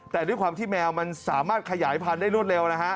แต่ด้วยความที่แมวมันสามารถขยายพันธุ์ได้รวดเร็วนะฮะ